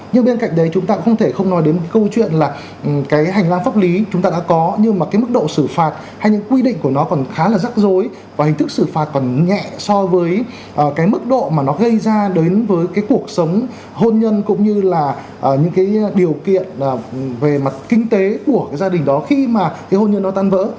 nhưng bên cạnh đấy chúng ta cũng không thể không nói đến cái câu chuyện là cái hành lang pháp lý chúng ta đã có nhưng mà cái mức độ xử phạt hay những quy định của nó còn khá là rắc rối và hình thức xử phạt còn nhẹ so với cái mức độ mà nó gây ra đến với cái cuộc sống hôn nhân cũng như là những cái điều kiện về mặt kinh tế của cái gia đình đó khi mà cái hôn nhân nó tan vỡ